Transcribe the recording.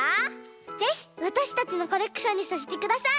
ぜひわたしたちのコレクションにさせてください。